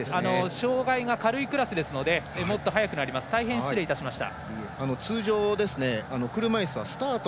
障がいが軽いクラスなのでもっと速くなります大変失礼いたしました。